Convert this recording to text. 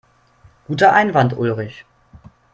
Guter Einwand, Ulrich.